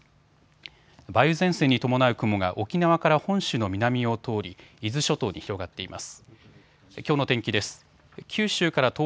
梅雨前線に伴う雲が沖縄から本州の南を通り伊豆諸島に広がっています。